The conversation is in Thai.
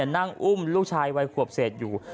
นั่งอุ้มลูกชายวัยขวบเศษอยู่